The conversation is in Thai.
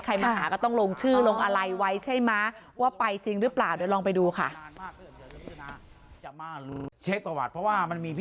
มาหาก็ต้องลงชื่อลงอะไรไว้ใช่ไหมว่าไปจริงหรือเปล่าเดี๋ยวลองไปดูค่ะ